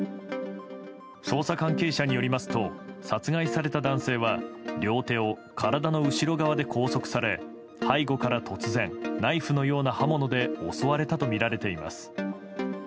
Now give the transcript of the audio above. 捜査関係者によりますと殺害された男性は両手を体の後ろ側で拘束され背後から突然ナイフのような刃物で襲われたとみられています。